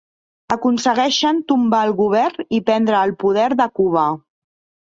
Aconsegueixen tombar el govern i prendre el poder de Cuba.